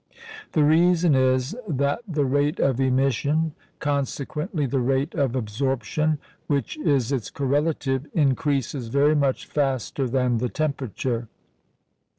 The reason is, that the rate of emission consequently the rate of absorption, which is its correlative increases very much faster than the temperature.